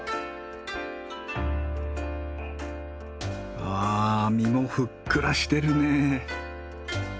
うわ身もふっくらしてるね。